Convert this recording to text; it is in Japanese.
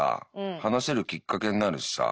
話せるきっかけになるしさ。